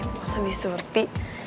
masa bi surti